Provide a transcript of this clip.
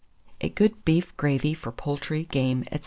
A GOOD BEEF GRAVY FOR POULTRY, GAME, &c.